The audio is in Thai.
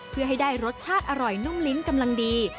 เพื่อให้ได้รสชาติอร่อยนุ่มลิ้นกำลังดี